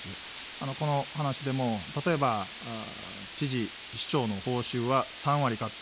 この話でも例えば、知事の報酬は３割カット。